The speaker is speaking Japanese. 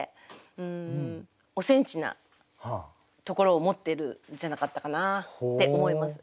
おセンチなところを持ってるんじゃなかったかなって思います。